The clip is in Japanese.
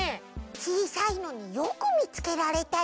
ちいさいのによくみつけられたね。